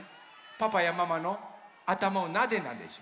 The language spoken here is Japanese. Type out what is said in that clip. パパやママのあたまをなでなでします。